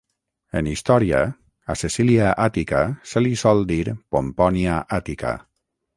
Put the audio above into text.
En història, a Cecília Àtica se li sol dir Pompònia Àtica.